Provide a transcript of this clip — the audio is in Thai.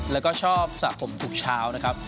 และชอบสระผมทุกเช้า